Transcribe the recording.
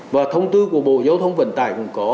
và thông tư của bộ giao thông vận tải cũng có